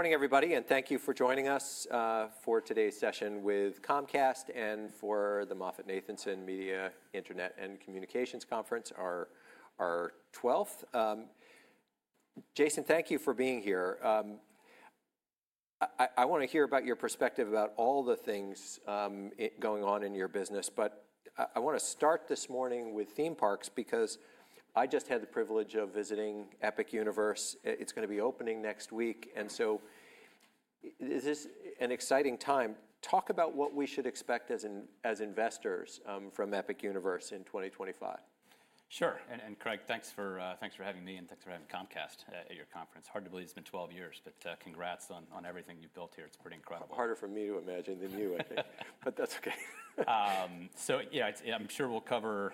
Morning, everybody, and thank you for joining us for today's session with Comcast and for the Moffett-Nathanson Media Internet and Communications Conference, our 12th. Jason, thank you for being here. I want to hear about your perspective about all the things going on in your business, but I want to start this morning with theme parks because I just had the privilege of visiting Epic Universe. It's going to be opening next week, and so this is an exciting time. Talk about what we should expect as investors from Epic Universe in 2025. Sure. Craig, thanks for having me and thanks for having Comcast at your conference. Hard to believe it's been 12 years, but congrats on everything you've built here. It's pretty incredible. Harder for me to imagine than you, I think, but that's okay. I'm sure we'll cover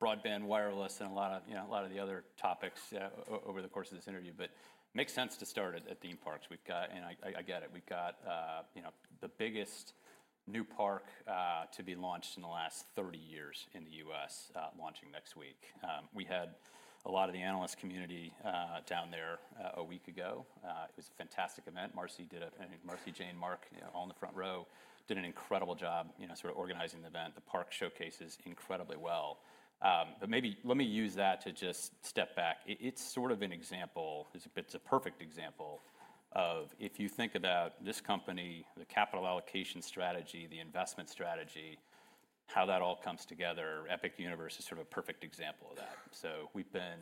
broadband, wireless, and a lot of the other topics over the course of this interview. It makes sense to start at theme parks. I get it. We've got the biggest new park to be launched in the last 30 years in the U.S. launching next week. We had a lot of the analyst community down there a week ago. It was a fantastic event. Marci, Jane, Mark, all in the front row, did an incredible job sort of organizing the event. The park showcases incredibly well. Maybe let me use that to just step back. It's sort of an example, it's a perfect example of if you think about this company, the capital allocation strategy, the investment strategy, how that all comes together. Epic Universe is sort of a perfect example of that. We've been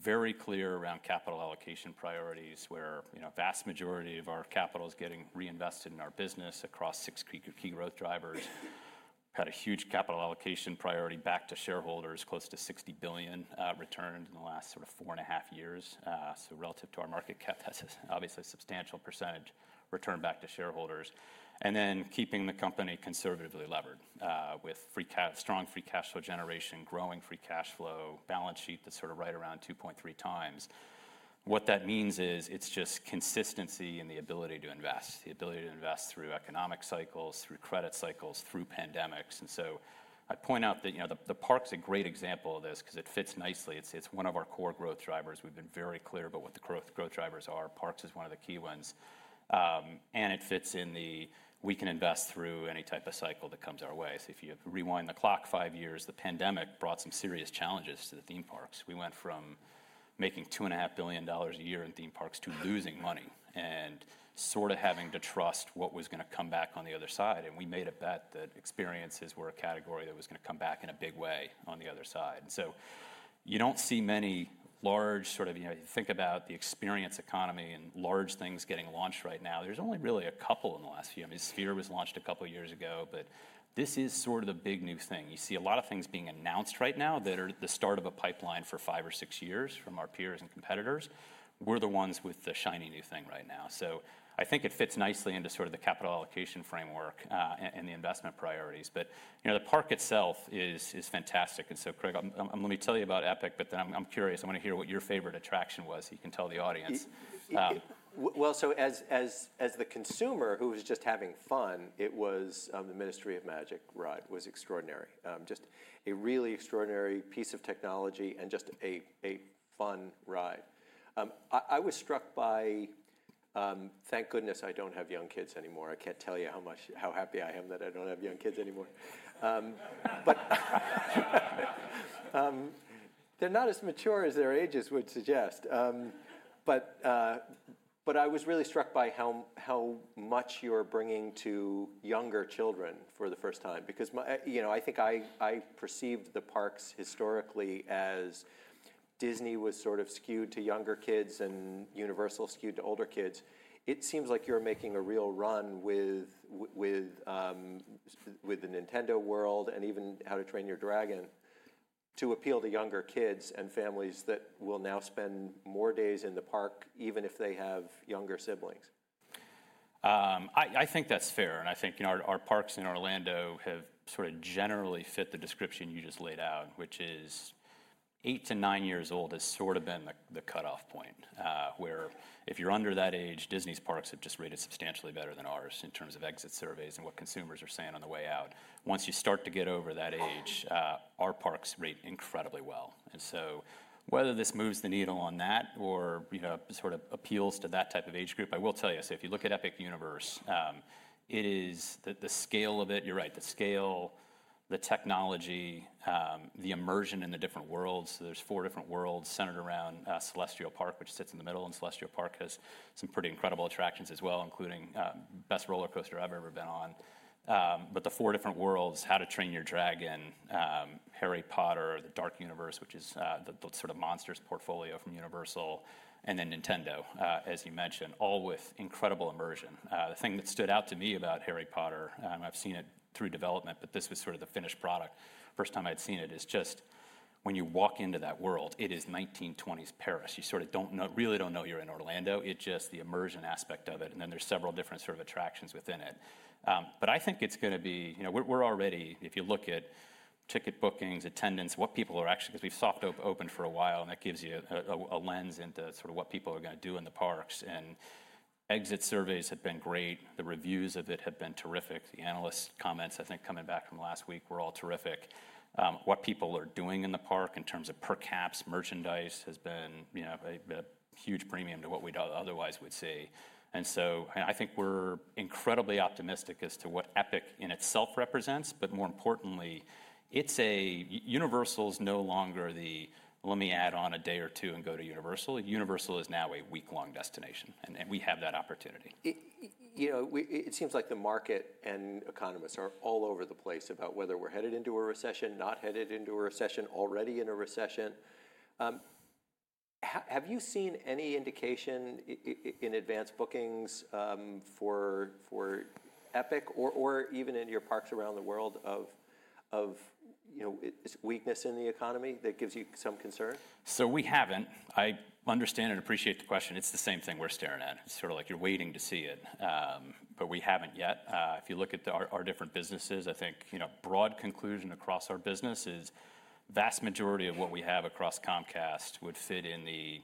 very clear around capital allocation priorities where the vast majority of our capital is getting reinvested in our business across six key growth drivers. We've had a huge capital allocation priority back to shareholders, close to $60 billion returned in the last sort of four and a half years. Relative to our market cap, that's obviously a substantial percentage returned back to shareholders. Then keeping the company conservatively levered with strong free cash flow generation, growing free cash flow, balance sheet that's sort of right around 2.3 times. What that means is it's just consistency and the ability to invest, the ability to invest through economic cycles, through credit cycles, through pandemics. I point out that the park's a great example of this because it fits nicely. It's one of our core growth drivers. We've been very clear about what the growth drivers are. Parks is one of the key ones. It fits in the we can invest through any type of cycle that comes our way. If you rewind the clock five years, the pandemic brought some serious challenges to the theme parks. We went from making $2.5 billion a year in theme parks to losing money and sort of having to trust what was going to come back on the other side. We made a bet that experiences were a category that was going to come back in a big way on the other side. You do not see many large sort of think about the experience economy and large things getting launched right now. There are only really a couple in the last few. I mean, Sphere was launched a couple of years ago, but this is sort of the big new thing. You see a lot of things being announced right now that are the start of a pipeline for five or six years from our peers and competitors. We're the ones with the shiny new thing right now. I think it fits nicely into sort of the capital allocation framework and the investment priorities. The park itself is fantastic. Craig, let me tell you about Epic, but then I'm curious. I want to hear what your favorite attraction was so you can tell the audience. As the consumer who was just having fun, it was the Ministry of Magic ride was extraordinary. Just a really extraordinary piece of technology and just a fun ride. I was struck by thank goodness I do not have young kids anymore. I cannot tell you how happy I am that I do not have young kids anymore. They are not as mature as their ages would suggest. I was really struck by how much you are bringing to younger children for the first time because I think I perceived the parks historically as Disney was sort of skewed to younger kids and Universal skewed to older kids. It seems like you are making a real run with the Nintendo World and even How to Train Your Dragon to appeal to younger kids and families that will now spend more days in the park even if they have younger siblings. I think that's fair. I think our parks in Orlando have sort of generally fit the description you just laid out, which is eight to nine years old has sort of been the cutoff point where if you're under that age, Disney's parks have just rated substantially better than ours in terms of exit surveys and what consumers are saying on the way out. Once you start to get over that age, our parks rate incredibly well. Whether this moves the needle on that or sort of appeals to that type of age group, I will tell you, if you look at Epic Universe, it is the scale of it, you're right, the scale, the technology, the immersion in the different worlds. are four different worlds centered around Celestial Park, which sits in the middle, and Celestial Park has some pretty incredible attractions as well, including the best roller coaster I've ever been on. The four different worlds, How to Train Your Dragon, Harry Potter, the Dark Universe, which is the sort of monsters portfolio from Universal, and then Nintendo, as you mentioned, all with incredible immersion. The thing that stood out to me about Harry Potter, and I've seen it through development, but this was sort of the finished product, first time I'd seen it, is just when you walk into that world, it is 1920s Paris. You sort of really do not know you're in Orlando. It is just the immersion aspect of it. There are several different sort of attractions within it. But I think it's going to be we're already, if you look at ticket bookings, attendance, what people are actually because we've soft opened for a while, and that gives you a lens into sort of what people are going to do in the parks. Exit surveys have been great. The reviews of it have been terrific. The analyst comments, I think, coming back from last week were all terrific. What people are doing in the park in terms of per caps merchandise has been a huge premium to what we otherwise would see. I think we're incredibly optimistic as to what Epic in itself represents, but more importantly, Universal's no longer the, let me add on a day or two and go to Universal. Universal is now a week-long destination, and we have that opportunity. It seems like the market and economists are all over the place about whether we're headed into a recession, not headed into a recession, already in a recession. Have you seen any indication in advance bookings for Epic or even in your parks around the world of weakness in the economy that gives you some concern? We haven't. I understand and appreciate the question. It's the same thing we're staring at. It's sort of like you're waiting to see it, but we haven't yet. If you look at our different businesses, I think broad conclusion across our business is vast majority of what we have across Comcast would fit in the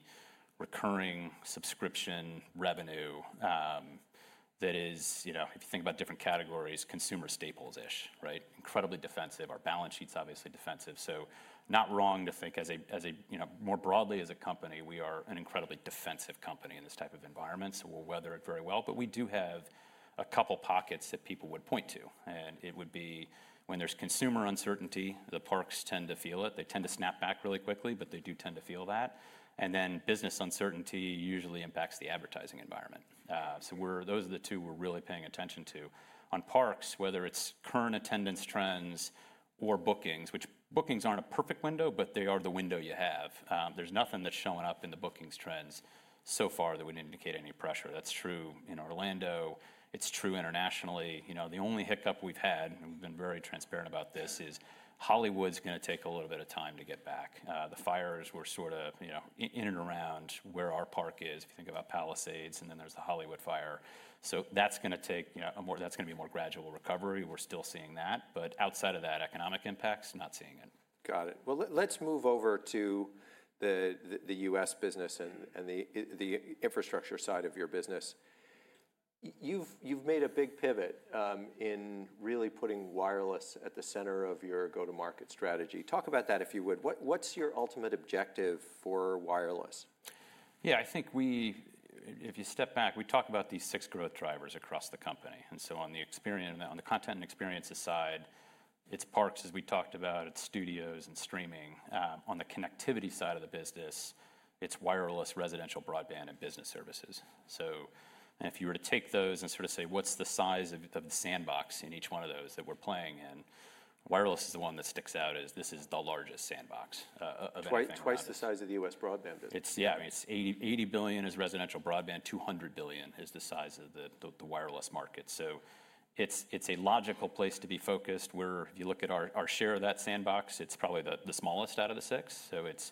recurring subscription revenue that is, if you think about different categories, consumer staples-ish, right? Incredibly defensive. Our balance sheet's obviously defensive. Not wrong to think more broadly as a company, we are an incredibly defensive company in this type of environment. We'll weather it very well. We do have a couple pockets that people would point to. It would be when there's consumer uncertainty, the parks tend to feel it. They tend to snap back really quickly, but they do tend to feel that. Business uncertainty usually impacts the advertising environment. Those are the two we're really paying attention to. On parks, whether it's current attendance trends or bookings, which bookings aren't a perfect window, but they are the window you have. There's nothing that's showing up in the bookings trends so far that would indicate any pressure. That's true in Orlando. It's true internationally. The only hiccup we've had, and we've been very transparent about this, is Hollywood's going to take a little bit of time to get back. The fires were sort of in and around where our park is. If you think about Palisades, and then there's the Hollywood fire. That's going to be a more gradual recovery. We're still seeing that. Outside of that, economic impacts, not seeing it. Got it. Let's move over to the U.S. business and the infrastructure side of your business. You've made a big pivot in really putting wireless at the center of your go-to-market strategy. Talk about that, if you would. What's your ultimate objective for wireless? Yeah, I think if you step back, we talk about these six growth drivers across the company. On the content and experiences side, it's parks, as we talked about, it's studios and streaming. On the connectivity side of the business, it's wireless, residential, broadband, and business services. If you were to take those and sort of say, what's the size of the sandbox in each one of those that we're playing in? Wireless is the one that sticks out as this is the largest sandbox of anything. Twice the size of the U.S. broadband business. Yeah, I mean, it's $80 billion is residential broadband. $200 billion is the size of the wireless market. It is a logical place to be focused. If you look at our share of that sandbox, it's probably the smallest out of the six. It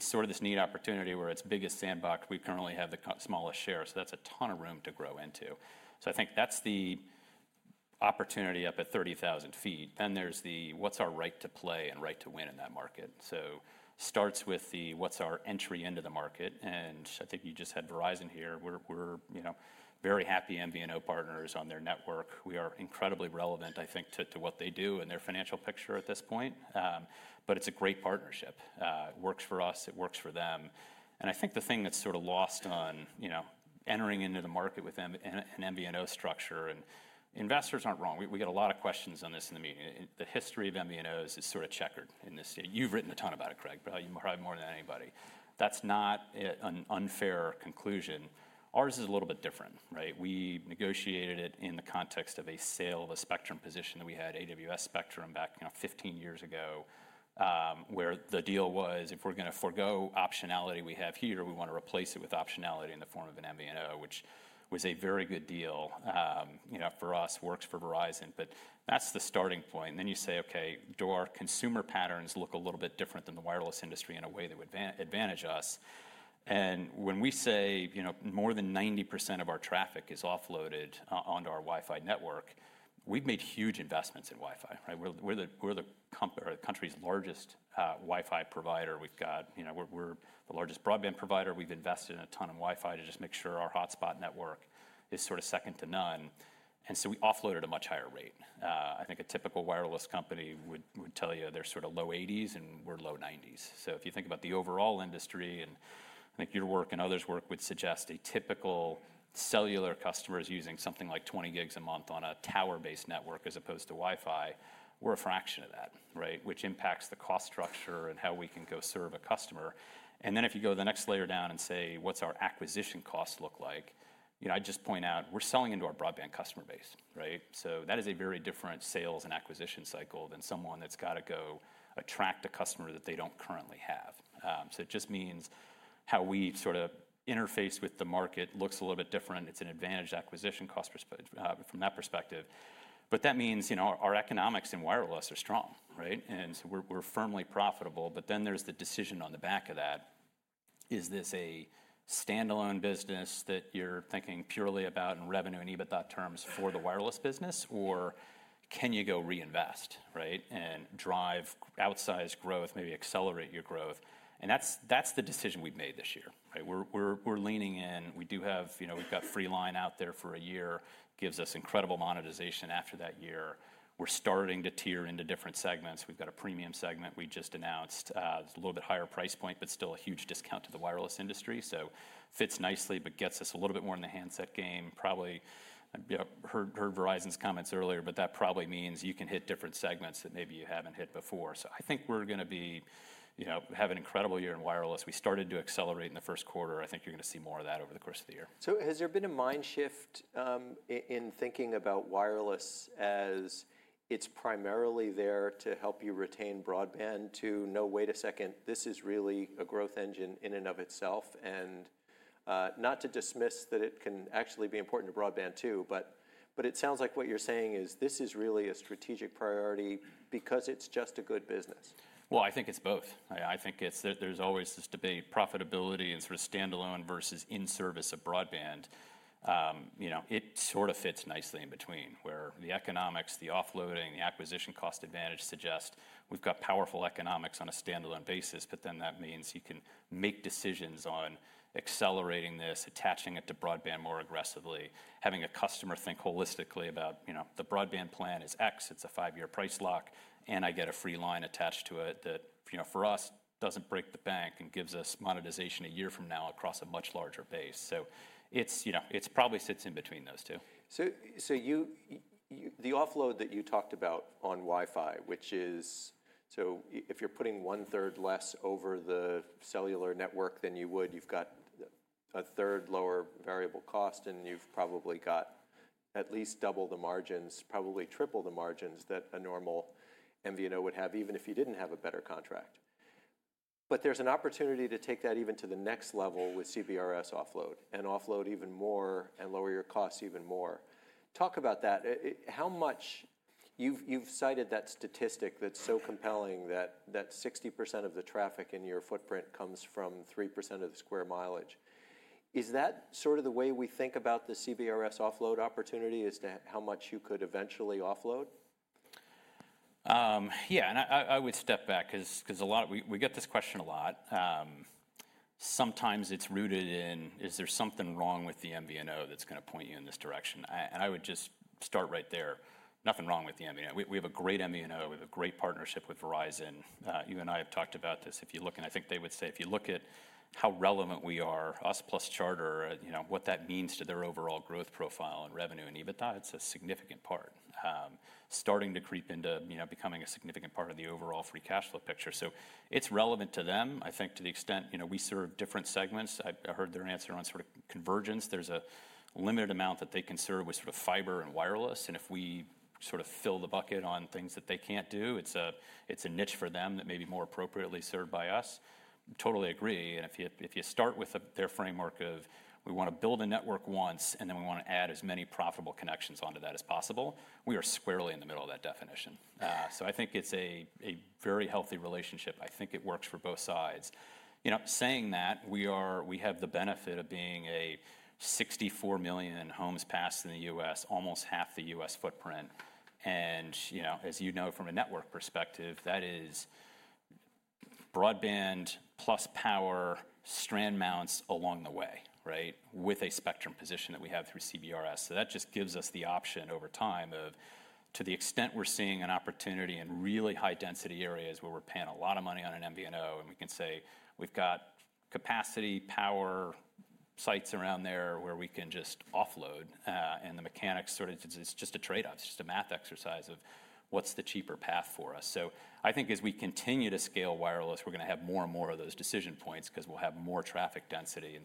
is sort of this neat opportunity where it's the biggest sandbox. We currently have the smallest share. That is a ton of room to grow into. I think that's the opportunity up at 30,000 ft. Then there's the what's our right to play and right to win in that market. It starts with the what's our entry into the market. I think you just had Verizon here. We're very happy MVNO partners on their network. We are incredibly relevant, I think, to what they do and their financial picture at this point. It is a great partnership. It works for us. It works for them. I think the thing that's sort of lost on entering into the market with an MVNO structure, and investors aren't wrong. We get a lot of questions on this in the meeting. The history of MVNOs is sort of checkered in this state. You've written a ton about it, Craig, probably more than anybody. That's not an unfair conclusion. Ours is a little bit different, right? We negotiated it in the context of a sale of a spectrum position that we had, AWS Spectrum, back 15 years ago where the deal was if we're going to forgo optionality we have here, we want to replace it with optionality in the form of an MVNO, which was a very good deal for us, works for Verizon. That's the starting point. You say, okay, do our consumer patterns look a little bit different than the wireless industry in a way that would advantage us? When we say more than 90% of our traffic is offloaded onto our Wi-Fi network, we've made huge investments in Wi-Fi. We're the country's largest Wi-Fi provider. We're the largest broadband provider. We've invested in a ton of Wi-Fi to just make sure our hotspot network is sort of second to none. We offload at a much higher rate. I think a typical wireless company would tell you they're sort of low 80s and we're low 90s. If you think about the overall industry, and I think your work and others' work would suggest a typical cellular customer is using something like 20 gigs a month on a tower-based network as opposed to Wi-Fi. We're a fraction of that, right? Which impacts the cost structure and how we can go serve a customer. If you go to the next layer down and say, what's our acquisition cost look like? I just point out we're selling into our broadband customer base, right? That is a very different sales and acquisition cycle than someone that's got to go attract a customer that they do not currently have. It just means how we sort of interface with the market looks a little bit different. It's an advantaged acquisition cost from that perspective. That means our economics in wireless are strong, right? We are firmly profitable. There is the decision on the back of that. Is this a standalone business that you're thinking purely about in revenue and EBITDA terms for the wireless business, or can you go reinvest, right, and drive outsized growth, maybe accelerate your growth? That is the decision we have made this year. We are leaning in. We do have Freeline out there for a year. It gives us incredible monetization after that year. We are starting to tier into different segments. We have a premium segment we just announced. It is a little bit higher price point, but still a huge discount to the wireless industry. It fits nicely, but gets us a little bit more in the handset game. You probably heard Verizon's comments earlier, but that probably means you can hit different segments that maybe you have not hit before. I think we are going to have an incredible year in wireless. We started to accelerate in the first quarter. I think you are going to see more of that over the course of the year. Has there been a mind shift in thinking about wireless as it's primarily there to help you retain broadband to, no, wait a second, this is really a growth engine in and of itself? Not to dismiss that it can actually be important to broadband too, but it sounds like what you're saying is this is really a strategic priority because it's just a good business. I think it's both. I think there's always this debate: profitability and sort of standalone versus in-service of broadband. It sort of fits nicely in between where the economics, the offloading, the acquisition cost advantage suggests we've got powerful economics on a standalone basis, but then that means you can make decisions on accelerating this, attaching it to broadband more aggressively, having a customer think holistically about the broadband plan is X. It's a five-year price lock, and I get a free line attached to it that for us doesn't break the bank and gives us monetization a year from now across a much larger base. It probably sits in between those two. The offload that you talked about on Wi-Fi, which is, if you're putting one-third less over the cellular network than you would, you've got a third lower variable cost, and you've probably got at least double the margins, probably triple the margins that a normal MVNO would have, even if you didn't have a better contract. There's an opportunity to take that even to the next level with CBRS offload and offload even more and lower your costs even more. Talk about that, how much. You've cited that statistic that's so compelling that 60% of the traffic in your footprint comes from 3% of the square mileage. Is that sort of the way we think about the CBRS offload opportunity as to how much you could eventually offload? Yeah, and I would step back because we get this question a lot. Sometimes it's rooted in, is there something wrong with the MVNO that's going to point you in this direction? I would just start right there. Nothing wrong with the MVNO. We have a great MVNO. We have a great partnership with Verizon. You and I have talked about this. If you look, and I think they would say, if you look at how relevant we are, us plus Charter, what that means to their overall growth profile and revenue and EBITDA, it's a significant part. Starting to creep into becoming a significant part of the overall free cash flow picture. It is relevant to them, I think, to the extent we serve different segments. I heard their answer on sort of convergence. There is a limited amount that they can serve with sort of fiber and wireless. If we sort of fill the bucket on things that they can't do, it's a niche for them that may be more appropriately served by us. Totally agree. If you start with their framework of we want to build a network once, and then we want to add as many profitable connections onto that as possible, we are squarely in the middle of that definition. I think it's a very healthy relationship. I think it works for both sides. Saying that, we have the benefit of being 64 million homes passed in the U.S., almost half the U.S. footprint. As you know, from a network perspective, that is broadband plus power strand mounts along the way, right, with a spectrum position that we have through CBRS. That just gives us the option over time of, to the extent we're seeing an opportunity in really high-density areas where we're paying a lot of money on an MVNO, and we can say we've got capacity, power sites around there where we can just offload. The mechanics sort of it's just a trade-off. It's just a math exercise of what's the cheaper path for us. I think as we continue to scale wireless, we're going to have more and more of those decision points because we'll have more traffic density.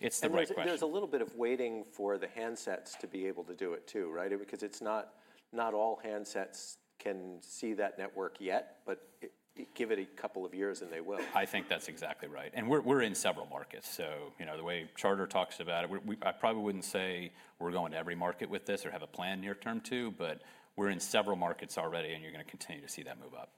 It's the right question. There's a little bit of waiting for the handsets to be able to do it too, right? Because not all handsets can see that network yet, but give it a couple of years and they will. I think that's exactly right. We're in several markets. The way Charter talks about it, I probably wouldn't say we're going to every market with this or have a plan near term to, but we're in several markets already, and you're going to continue to see that move up.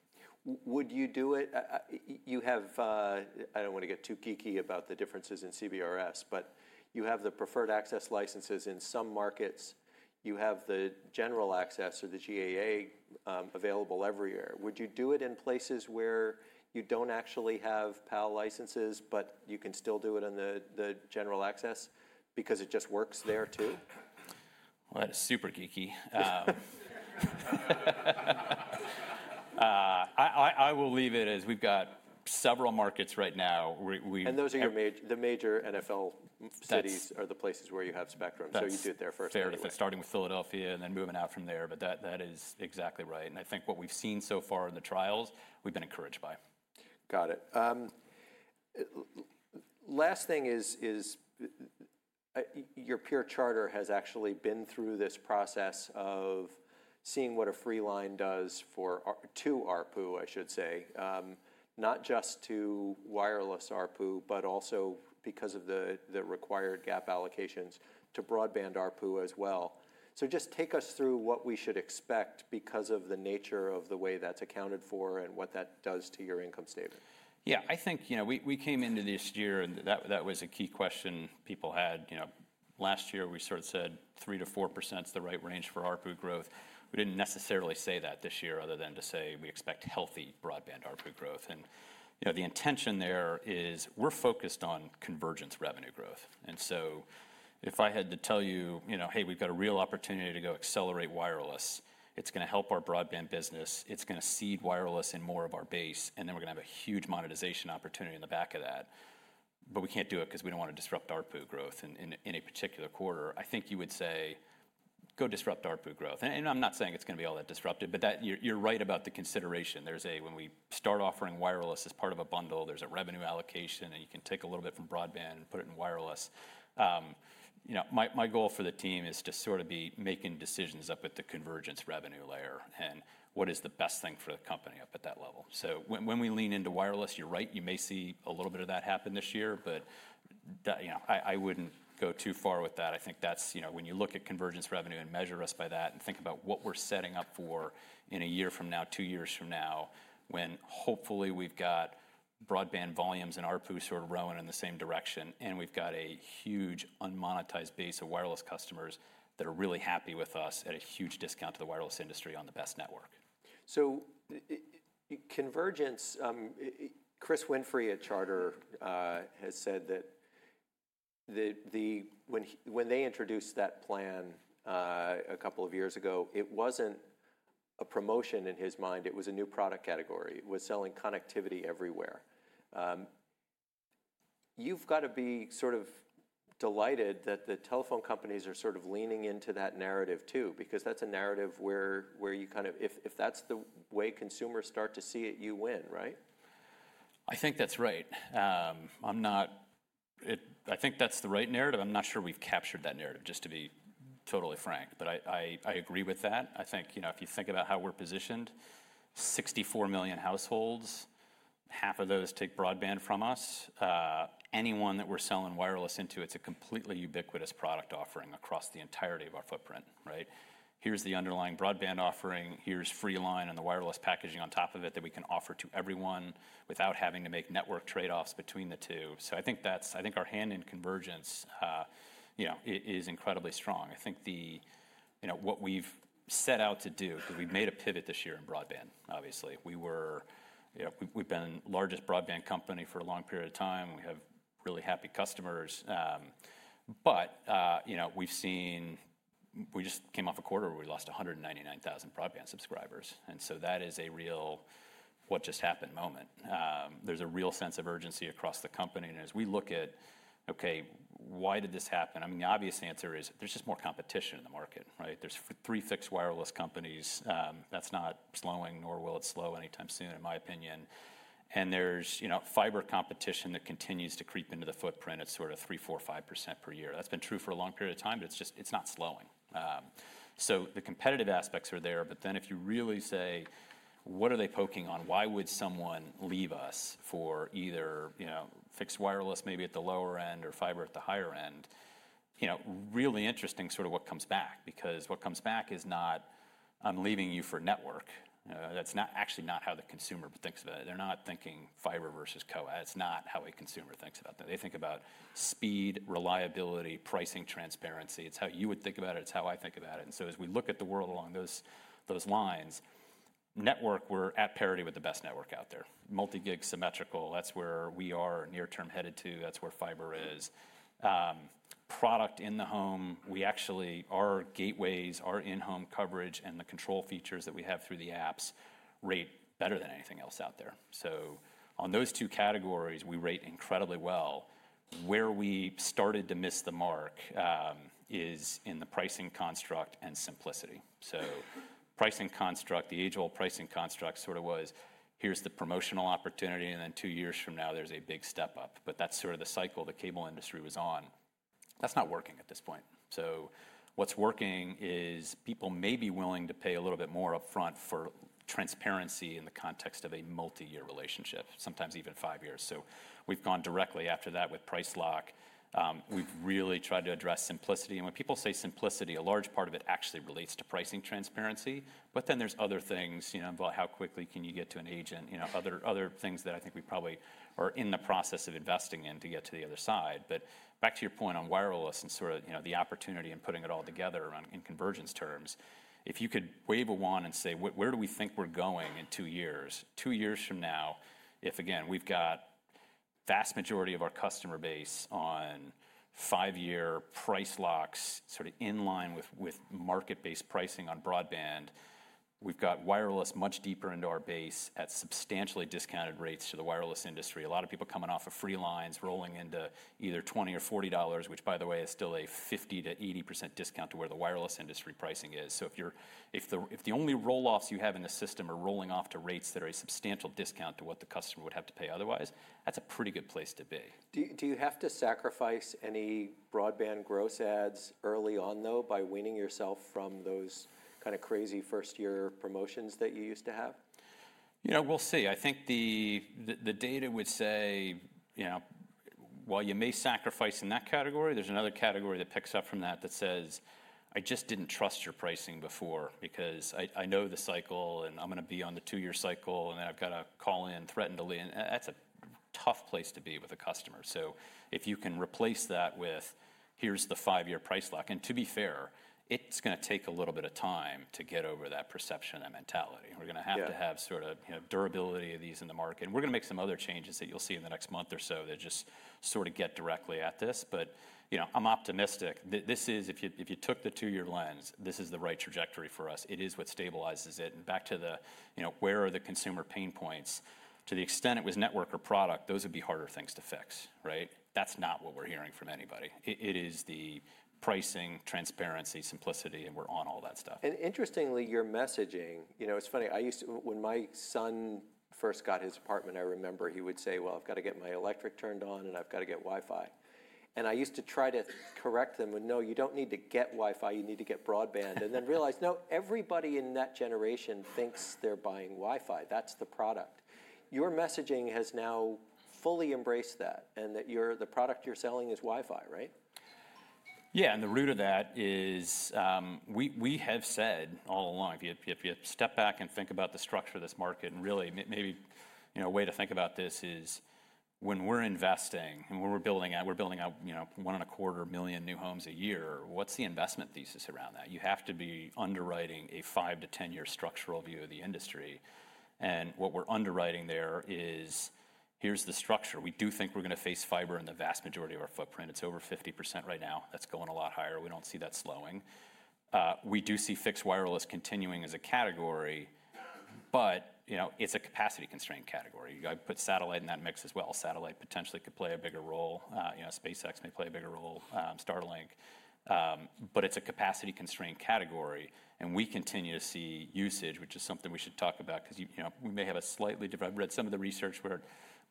Would you do it? I don't want to get too geeky about the differences in CBRS, but you have the preferred access licenses in some markets. You have the General Access or the GAA available every year. Would you do it in places where you don't actually have PAL licenses, but you can still do it on the general access because it just works there too? That's super geeky. I will leave it as we've got several markets right now. Those are the major NFL cities or the places where you have spectrum. You'd do it there first. Starting with Philadelphia and then moving out from there. That is exactly right. I think what we've seen so far in the trials, we've been encouraged by. Got it. Last thing is your peer Charter has actually been through this process of seeing what a Freeline does to ARPU, I should say, not just to wireless ARPU, but also because of the required gap allocations to broadband ARPU as well. Just take us through what we should expect because of the nature of the way that's accounted for and what that does to your income statement. Yeah, I think we came into this year, and that was a key question people had. Last year, we sort of said 3%-4% is the right range for ARPU growth. We did not necessarily say that this year other than to say we expect healthy broadband ARPU growth. The intention there is we are focused on convergence revenue growth. If I had to tell you, hey, we have got a real opportunity to go accelerate wireless, it is going to help our broadband business, it is going to seed wireless in more of our base, and then we are going to have a huge monetization opportunity in the back of that. We cannot do it because we do not want to disrupt ARPU growth in a particular quarter. I think you would say go disrupt ARPU growth. I'm not saying it's going to be all that disrupted, but you're right about the consideration. There's a when we start offering wireless as part of a bundle, there's a revenue allocation, and you can take a little bit from broadband and put it in wireless. My goal for the team is to sort of be making decisions up at the convergence revenue layer and what is the best thing for the company up at that level. When we lean into wireless, you're right, you may see a little bit of that happen this year, but I wouldn't go too far with that. I think that's when you look at convergence revenue and measure us by that and think about what we're setting up for in a year from now, two years from now, when hopefully we've got broadband volumes and ARPUs sort of rowing in the same direction, and we've got a huge unmonetized base of wireless customers that are really happy with us at a huge discount to the wireless industry on the best network. Convergence, Chris Winfrey at Charter has said that when they introduced that plan a couple of years ago, it was not a promotion in his mind. It was a new product category. It was selling connectivity everywhere. You have got to be sort of delighted that the telephone companies are sort of leaning into that narrative too because that is a narrative where you kind of, if that is the way consumers start to see it, you win, right? I think that's right. I think that's the right narrative. I'm not sure we've captured that narrative just to be totally frank, but I agree with that. I think if you think about how we're positioned, 64 million households, half of those take broadband from us. Anyone that we're selling wireless into, it's a completely ubiquitous product offering across the entirety of our footprint, right? Here's the underlying broadband offering. Here's Freeline and the wireless packaging on top of it that we can offer to everyone without having to make network trade-offs between the two. I think our hand in convergence is incredibly strong. I think what we've set out to do, because we've made a pivot this year in broadband, obviously. We've been the largest broadband company for a long period of time. We have really happy customers. We've seen we just came off a quarter where we lost 199,000 broadband subscribers. That is a real what just happened moment. There's a real sense of urgency across the company. As we look at, okay, why did this happen? I mean, the obvious answer is there's just more competition in the market, right? There are three fixed wireless companies. That's not slowing, nor will it slow anytime soon, in my opinion. There's fiber competition that continues to creep into the footprint at sort of 3%, 4%, 5% per year. That's been true for a long period of time, but it's not slowing. The competitive aspects are there. If you really say, what are they poking on? Why would someone leave us for either fixed wireless maybe at the lower end or fiber at the higher end? Really interesting sort of what comes back because what comes back is not, I'm leaving you for network. That's actually not how the consumer thinks of it. They're not thinking fiber versus co-op. It's not how a consumer thinks about that. They think about speed, reliability, pricing, transparency. It's how you would think about it. It's how I think about it. As we look at the world along those lines, network, we're at parity with the best network out there. Multi-gig, symmetrical, that's where we are near-term headed to. That's where fiber is. Product in the home, we actually, our gateways, our in-home coverage, and the control features that we have through the apps rate better than anything else out there. On those two categories, we rate incredibly well. Where we started to miss the mark is in the pricing construct and simplicity. Pricing construct, the age-old pricing construct sort of was, here's the promotional opportunity, and then two years from now, there's a big step up. That is sort of the cycle the cable industry was on. That is not working at this point. What is working is people may be willing to pay a little bit more upfront for transparency in the context of a multi-year relationship, sometimes even five years. We have gone directly after that with price lock. We have really tried to address simplicity. When people say simplicity, a large part of it actually relates to pricing transparency. There are other things about how quickly you can get to an agent, other things that I think we probably are in the process of investing in to get to the other side. Back to your point on wireless and sort of the opportunity and putting it all together in convergence terms, if you could wave a wand and say, where do we think we're going in two years? Two years from now, if again, we've got the vast majority of our customer base on five-year price locks sort of in line with market-based pricing on broadband, we've got wireless much deeper into our base at substantially discounted rates to the wireless industry. A lot of people coming off of Freelines, rolling into either $20 or $40, which by the way is still a 50%-80% discount to where the wireless industry pricing is. If the only roll-offs you have in the system are rolling off to rates that are a substantial discount to what the customer would have to pay otherwise, that's a pretty good place to be. Do you have to sacrifice any broadband gross ads early on though by weaning yourself from those kind of crazy first-year promotions that you used to have? We'll see. I think the data would say, while you may sacrifice in that category, there's another category that picks up from that that says, I just didn't trust your pricing before because I know the cycle and I'm going to be on the two-year cycle and then I've got to call in, threaten to leave. That's a tough place to be with a customer. If you can replace that with, here's the five-year price lock. To be fair, it's going to take a little bit of time to get over that perception and mentality. We're going to have to have sort of durability of these in the market. We're going to make some other changes that you'll see in the next month or so that just sort of get directly at this. I'm optimistic. If you took the two-year lens, this is the right trajectory for us. It is what stabilizes it. Back to the where are the consumer pain points? To the extent it was network or product, those would be harder things to fix, right? That's not what we're hearing from anybody. It is the pricing, transparency, simplicity, and we're on all that stuff. Interestingly, your messaging, it's funny. When my son first got his apartment, I remember he would say, well, I've got to get my electric turned on and I've got to get Wi-Fi. I used to try to correct them with, no, you don't need to get Wi-Fi. You need to get broadband. Then realized, no, everybody in that generation thinks they're buying Wi-Fi. That's the product. Your messaging has now fully embraced that and that the product you're selling is Wi-Fi, right? Yeah. The root of that is we have said all along, if you step back and think about the structure of this market, and really maybe a way to think about this is when we're investing and when we're building out, we're building out 1.25 million new homes a year, what's the investment thesis around that? You have to be underwriting a five- to ten-year structural view of the industry. What we're underwriting there is, here's the structure. We do think we're going to face fiber in the vast majority of our footprint. It's over 50% right now. That's going a lot higher. We don't see that slowing. We do see fixed wireless continuing as a category, but it's a capacity-constrained category. You got to put satellite in that mix as well. Satellite potentially could play a bigger role. SpaceX may play a bigger role, Starlink. It is a capacity-constrained category. We continue to see usage, which is something we should talk about because we may have a slightly different—I have read some of the research where we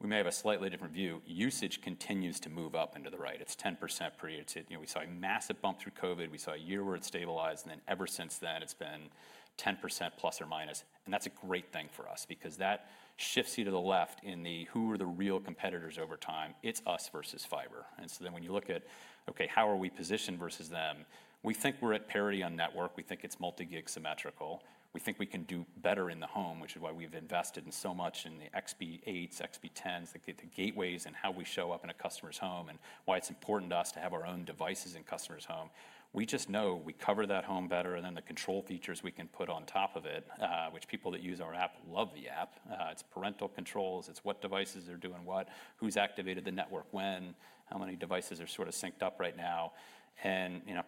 may have a slightly different view. Usage continues to move up and to the right. It is 10% pre. We saw a massive bump through COVID. We saw a year where it stabilized. Ever since then, it has been 10% plus or minus. That is a great thing for us because that shifts you to the left in the who are the real competitors over time? It is us versus fiber. When you look at, okay, how are we positioned versus them? We think we are at parity on network. We think it is multi-gig, symmetrical. We think we can do better in the home, which is why we've invested so much in the XB8s, XB10s, the gateways and how we show up in a customer's home and why it's important to us to have our own devices in customers' home. We just know we cover that home better. The control features we can put on top of it, which people that use our app love the app. It's parental controls. It's what devices are doing what, who's activated the network when, how many devices are sort of synced up right now.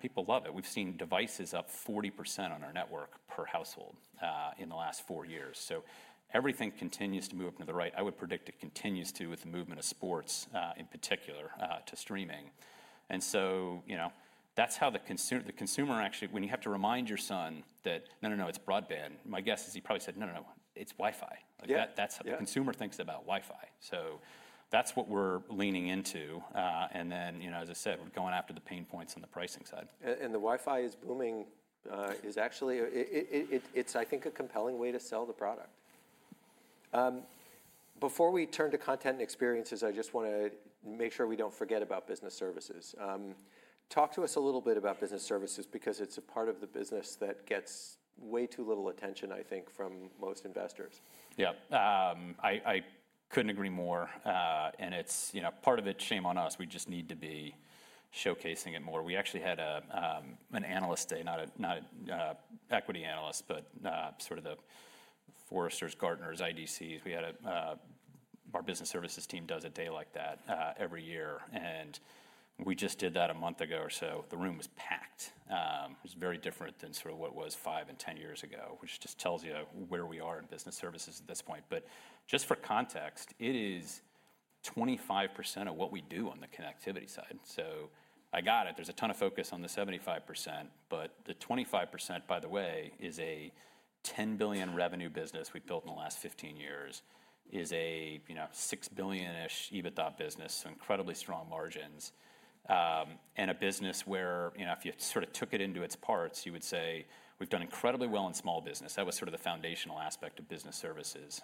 People love it. We've seen devices up 40% on our network per household in the last four years. Everything continues to move up into the right. I would predict it continues to with the movement of sports in particular to streaming. That is how the consumer actually, when you have to remind your son that, no, no, no, it is broadband. My guess is he probably said, no, no, no, it is Wi-Fi. That is what the consumer thinks about Wi-Fi. That is what we are leaning into. As I said, we are going after the pain points on the pricing side. The Wi-Fi is booming. It is actually, I think, a compelling way to sell the product. Before we turn to content and experiences, I just want to make sure we do not forget about business services. Talk to us a little bit about business services because it is a part of the business that gets way too little attention, I think, from most investors. Yeah. I couldn't agree more. It's part of the shame on us. We just need to be showcasing it more. We actually had an analyst day, not an equity analyst, but sort of the Forresters, Gartners, IDCs. We had our business services team do a day like that every year. We just did that a month ago or so. The room was packed. It was very different than what was five and ten years ago, which just tells you where we are in business services at this point. Just for context, it is 25% of what we do on the connectivity side. I got it. There's a ton of focus on the 75%, but the 25%, by the way, is a $10 billion revenue business we've built in the last 15 years, is a $6 billion-ish EBITDA business, so incredibly strong margins. A business where if you sort of took it into its parts, you would say we've done incredibly well in small business. That was sort of the foundational aspect of business services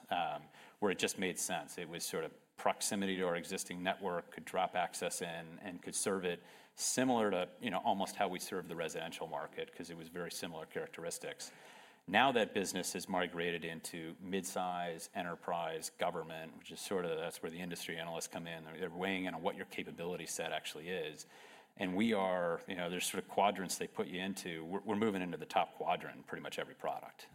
where it just made sense. It was sort of proximity to our existing network, could drop access in and could serve it similar to almost how we serve the residential market because it was very similar characteristics. Now that business has migrated into midsize, enterprise, government, which is sort of that's where the industry analysts come in. They're weighing in on what your capability set actually is. And there's sort of quadrants they put you into. We're moving into the top quadrant in pretty much every product,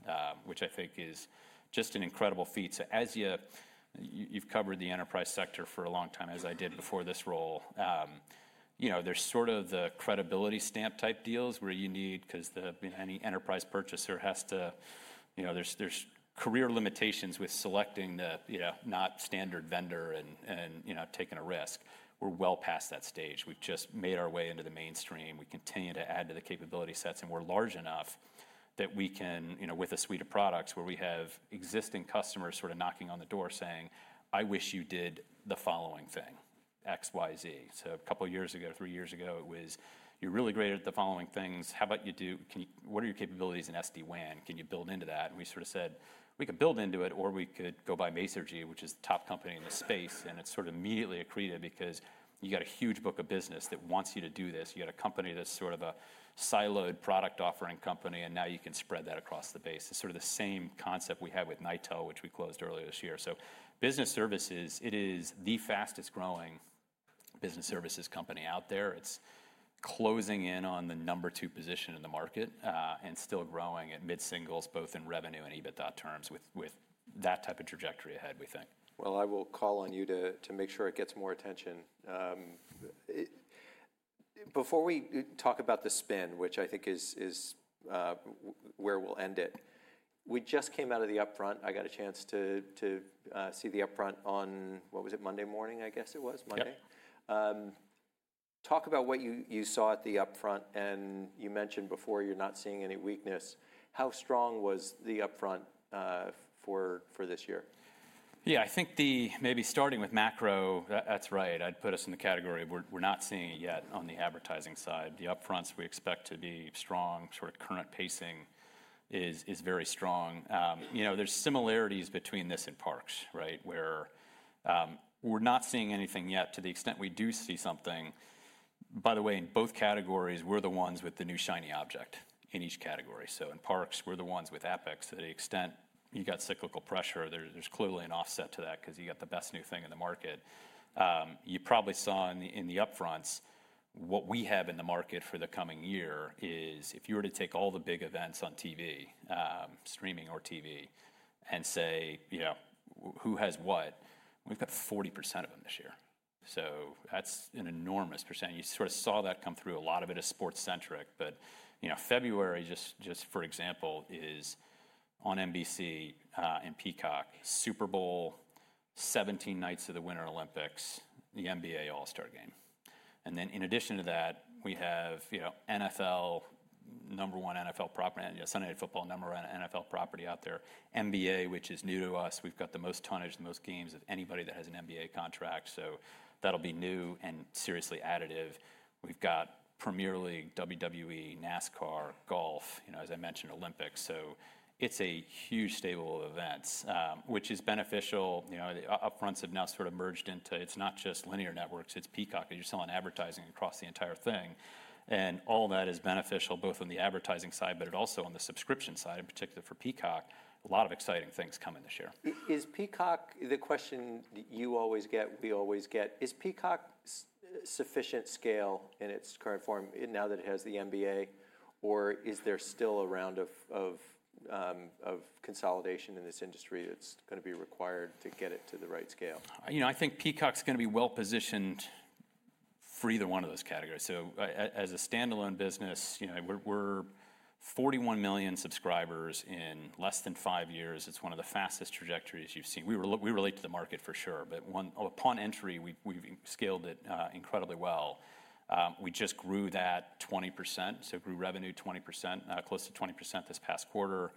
which I think is just an incredible feature. As you've covered the enterprise sector for a long time, as I did before this role, there's sort of the credibility stamp type deals where you need because any enterprise purchaser has to, there's career limitations with selecting the not standard vendor and taking a risk. We're well past that stage. We've just made our way into the mainstream. We continue to add to the capability sets. We're large enough that we can, with a suite of products where we have existing customers sort of knocking on the door saying, I wish you did the following thing, X, Y, Z. A couple of years ago, three years ago, it was, you're really great at the following things. How about you do, what are your capabilities in SD-WAN? Can you build into that? We sort of said, we could build into it or we could go buy Masergy, which is the top company in the space. It sort of immediately accreted because you got a huge book of business that wants you to do this. You got a company that's sort of a siloed product offering company, and now you can spread that across the base. It's sort of the same concept we had with Nitel, which we closed earlier this year. Business services, it is the fastest growing business services company out there. It's closing in on the number two position in the market and still growing at mid-singles, both in revenue and EBITDA terms. With that type of trajectory ahead, we think. I will call on you to make sure it gets more attention. Before we talk about the spin, which I think is where we'll end it, we just came out of the upfront. I got a chance to see the upfront on, what was it, Monday morning, I guess it was, Monday? Yeah. Talk about what you saw at the upfront. You mentioned before you're not seeing any weakness. How strong was the upfront for this year? Yeah, I think maybe starting with macro, that's right. I'd put us in the category of we're not seeing it yet on the advertising side. The upfronts we expect to be strong, sort of current pacing is very strong. There's similarities between this and Parks, right, where we're not seeing anything yet to the extent we do see something. By the way, in both categories, we're the ones with the new shiny object in each category. In Parks, we're the ones with Epic. To the extent you got cyclical pressure, there's clearly an offset to that because you got the best new thing in the market. You probably saw in the upfronts what we have in the market for the coming year is if you were to take all the big events on TV, streaming or TV, and say who has what, we've got 40% of them this year. That's an enormous percentage. You sort of saw that come through. A lot of it is sports-centric. February, just for example, is on NBC and Peacock, Super Bowl, 17 nights of the Winter Olympics, the NBA All-Star Game. In addition to that, we have NFL, number one NFL property, Sunday Night Football, number one NFL property out there. NBA, which is new to us. We've got the most tonnage, the most games of anybody that has an NBA contract. That'll be new and seriously additive. We've got Premier League, WWE, NASCAR, golf, as I mentioned, Olympics. It's a huge stable of events, which is beneficial. The upfronts have now sort of merged into it's not just linear networks. It's Peacock. You're selling advertising across the entire thing. All that is beneficial both on the advertising side, but also on the subscription side in particular for Peacock. A lot of exciting things coming this year. Is Peacock the question you always get, we always get? Is Peacock sufficient scale in its current form now that it has the NBA? Or is there still a round of consolidation in this industry that's going to be required to get it to the right scale? I think Peacock's going to be well positioned for either one of those categories. As a standalone business, we're 41 million subscribers in less than five years. It's one of the fastest trajectories you've seen. We relate to the market for sure. Upon entry, we've scaled it incredibly well. We just grew that 20%. Grew revenue 20%, now close to 20% this past quarter.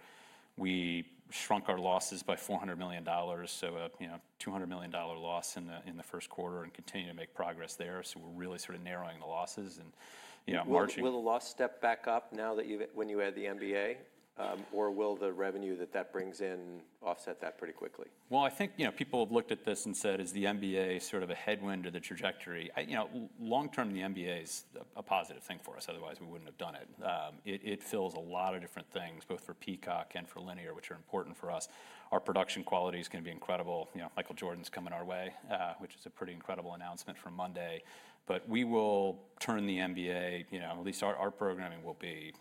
We shrunk our losses by $400 million. A $200 million loss in the first quarter and continue to make progress there. We're really sort of narrowing the losses. Will the loss step back up now that you've added the NBA? Or will the revenue that that brings in offset that pretty quickly? I think people have looked at this and said, is the NBA sort of a headwind to the trajectory? Long term, the NBA is a positive thing for us. Otherwise, we would not have done it. It fills a lot of different things, both for Peacock and for Linear, which are important for us. Our production quality is going to be incredible. Michael Jordan's coming our way, which is a pretty incredible announcement for Monday. We will turn the NBA, at least our programming will be,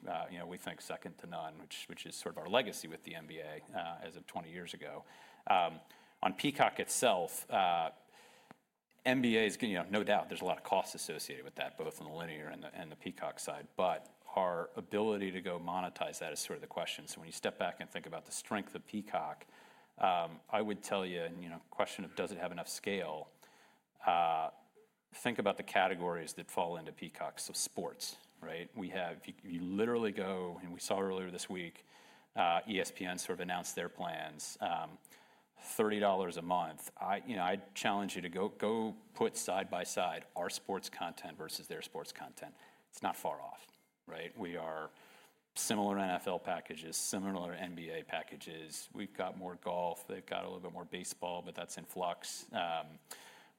we think, second to none, which is sort of our legacy with the NBA as of 20 years ago. On Peacock itself, NBA is no doubt there's a lot of costs associated with that, both on the Linear and the Peacock side. Our ability to go monetize that is sort of the question. When you step back and think about the strength of Peacock, I would tell you a question of does it have enough scale. Think about the categories that fall into Peacock. Sports, right? You literally go, and we saw earlier this week, ESPN sort of announced their plans, $30 a month. I challenge you to go put side by side our sports content versus their sports content. It's not far off, right? We are similar NFL packages, similar NBA packages. We've got more Golf. They've got a little bit more Baseball, but that's in flux.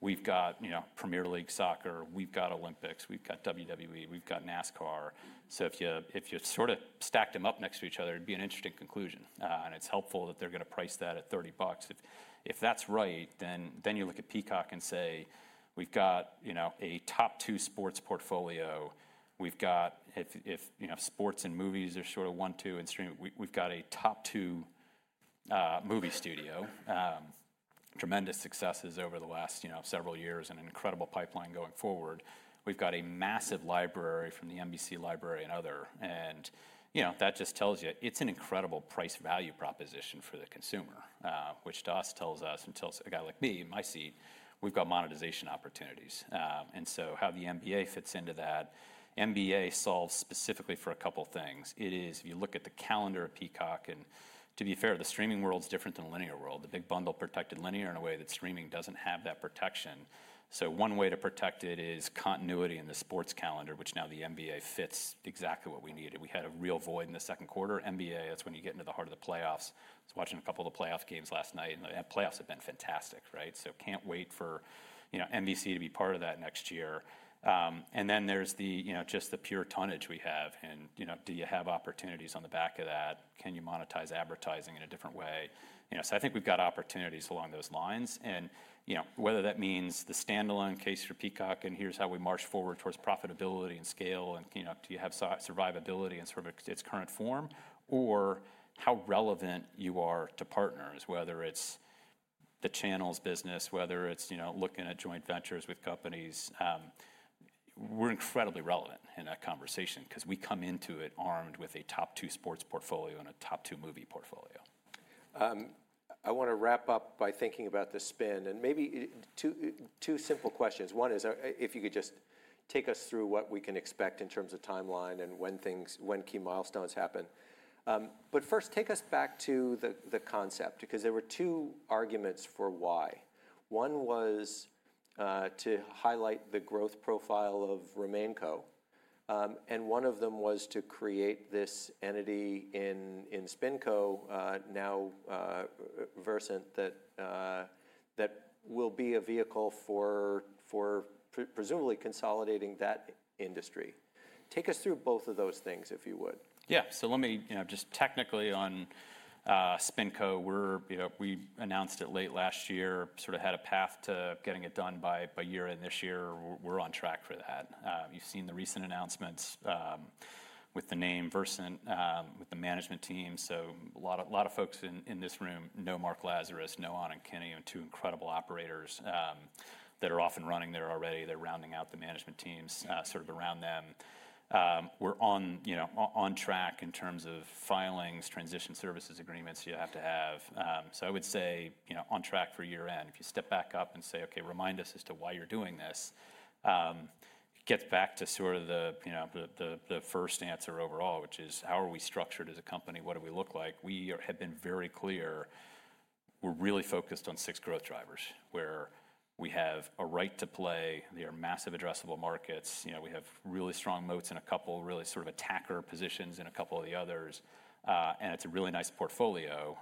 We've got Premier League soccer. We've got Olympics. We've got WWE. We've got NASCAR. If you sort of stacked them up next to each other, it'd be an interesting conclusion. It's helpful that they're going to price that at $30. If that's right, then you look at Peacock and say, we've got a top two sports portfolio. We've got, if sports and movies are sort of one-two in streaming, we've got a top two movie studio, tremendous successes over the last several years and an incredible pipeline going forward. We've got a massive library from the NBC library and other. That just tells you it's an incredible price value proposition for the consumer, which to us tells us and tells a guy like me in my seat, we've got monetization opportunities. How the NBA fits into that, NBA solves specifically for a couple of things. If you look at the calendar of Peacock, and to be fair, the streaming world's different than the linear world. The big bundle protected linear in a way that streaming doesn't have that protection. One way to protect it is continuity in the sports calendar, which now the NBA fits exactly what we needed. We had a real void in the second quarter. NBA, that's when you get into the heart of the playoffs. I was watching a couple of the playoff games last night. The playoffs have been fantastic, right? Can't wait for NBC to be part of that next year. There is just the pure tonnage we have. Do you have opportunities on the back of that? Can you monetize advertising in a different way? I think we've got opportunities along those lines. Whether that means the standalone case for Peacock and here's how we march forward towards profitability and scale and do you have survivability in sort of its current form, or how relevant you are to partners, whether it's the channels business, whether it's looking at joint ventures with companies, we're incredibly relevant in that conversation because we come into it armed with a top two sports portfolio and a top two movie portfolio. I want to wrap up by thinking about the spin. Maybe two simple questions. One is if you could just take us through what we can expect in terms of timeline and when key milestones happen. First, take us back to the concept because there were two arguments for why. One was to highlight the growth profile of RemainCo. One of them was to create this entity in SpinCo, now Versant, that will be a vehicle for presumably consolidating that industry. Take us through both of those things, if you would. Yeah. Let me just technically on SpinCo, we announced it late last year, sort of had a path to getting it done by year end this year. We're on track for that. You've seen the recent announcements with the name Versant, with the management team. A lot of folks in this room know Mark Lazarus, know Anna and Kenny, two incredible operators that are off and running there already. They're rounding out the management teams sort of around them. We're on track in terms of filings, transition services agreements you have to have. I would say on track for year end. If you step back up and say, okay, remind us as to why you're doing this, it gets back to sort of the first answer overall, which is how are we structured as a company? What do we look like? We have been very clear. We're really focused on six growth drivers where we have a right to play. They are massive addressable markets. We have really strong motes in a couple really sort of attacker positions in a couple of the others. It's a really nice portfolio.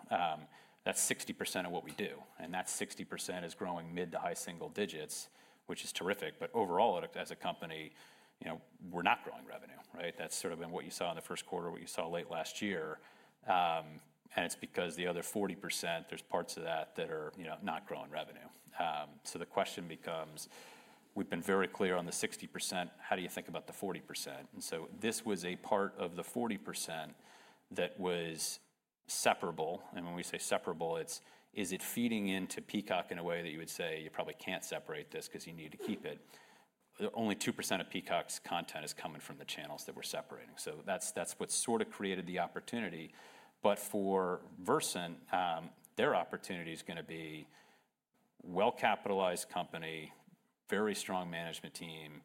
That's 60% of what we do. That 60% is growing mid to high single digits, which is terrific. Overall, as a company, we're not growing revenue, right? That's sort of been what you saw in the first quarter, what you saw late last year. It's because the other 40%, there's parts of that that are not growing revenue. The question becomes, we've been very clear on the 60%. How do you think about the 40%? This was a part of the 40% that was separable. When we say separable, it's is it feeding into Peacock in a way that you would say you probably can't separate this because you need to keep it? Only 2% of Peacock's content is coming from the channels that we're separating. That's what sort of created the opportunity. For Versant, their opportunity is going to be well-capitalized company, very strong management team,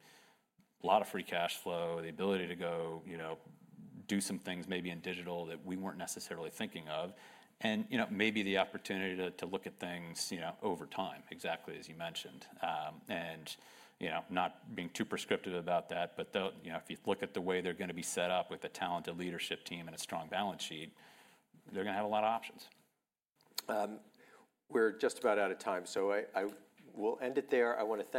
a lot of free cash flow, the ability to go do some things maybe in digital that we weren't necessarily thinking of, and maybe the opportunity to look at things over time, exactly as you mentioned. Not being too prescriptive about that, but if you look at the way they're going to be set up with a talented leadership team and a strong balance sheet, they're going to have a lot of options. We're just about out of time. So I will end it there. I want to thank.